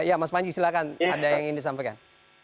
ya mas panji silahkan ada yang ingin disampaikan